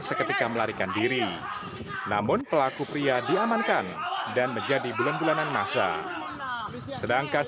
seketika melarikan diri namun pelaku pria diamankan dan menjadi bulan bulanan masa sedangkan